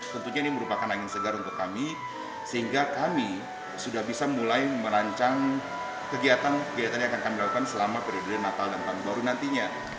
tentunya ini merupakan angin segar untuk kami sehingga kami sudah bisa mulai merancang kegiatan kegiatan yang akan kami lakukan selama periode natal dan tahun baru nantinya